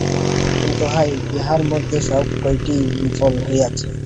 কিন্তু হায়! ইহার মধ্যে সব কয়টিই বিফল হইয়াছে।